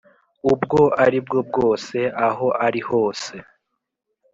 ubwo ari bwo bwose aho ari hose